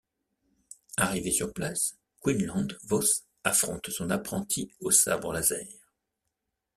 Arrivé sur place, Quinlan Vos affronte son apprentie au sabre laser.